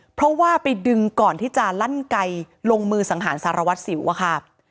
เพราะว่าไปดึงก่อนที่จะลั่นไกลลงมือสังหารสารวัตรสิวอะค่ะ